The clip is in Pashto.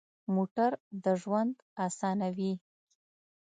موټر د ژوند اسانوي.